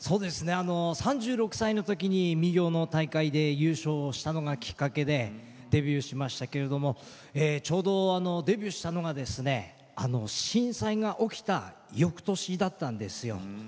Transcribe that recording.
３６歳のときに民謡の大会で優勝したのがきっかけでデビューしましたけれどちょうどデビューしたのが震災が起きたよくとしだったんですよね。